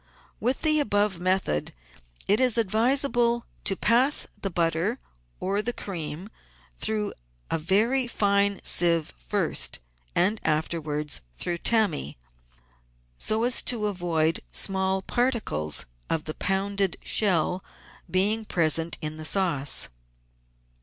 With the above method it is advisable to pass the butter or the cream through a very fine sieve first and afterwards through tammy, so as to avoid small particles of the pounded shell being present in the sauce.